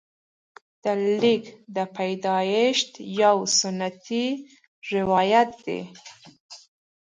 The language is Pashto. د لیک د پیدایښت یو سنتي روایت دی.